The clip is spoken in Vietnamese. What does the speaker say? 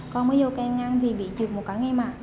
con mới vô can ngăn thì bị trượt một cái ngay mặt